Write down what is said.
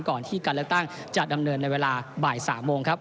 ก่อนที่การเลือกตั้งจะดำเนินในเวลาบ่าย๓โมงครับ